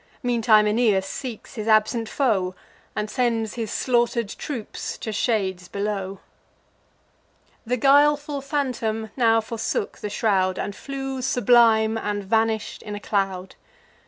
Meantime Aeneas seeks his absent foe, And sends his slaughter'd troops to shades below. The guileful phantom now forsook the shroud, And flew sublime, and vanish'd in a cloud.